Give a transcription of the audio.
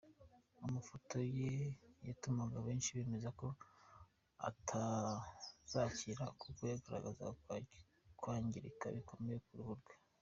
Amafoto ye yatumaga benshi bemeza ko atazakira kuko yagaragazaga kwangirika gukomeye k’uruhu rwe.